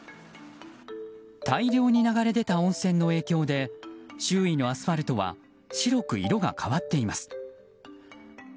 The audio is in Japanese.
大量に流れ出た温泉の影響で周囲のアスファルトは白く色が変わっています。